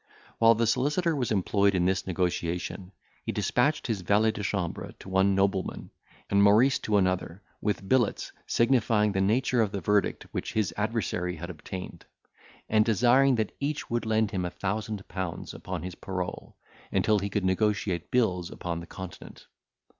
While the solicitor was employed in this negotiation, he despatched his valet de chambre to one nobleman, and Maurice to another, with billets, signifying the nature of the verdict which his adversary had obtained, and desiring that each would lend him a thousand pounds upon his parole, until he could negotiate bills upon the Continent.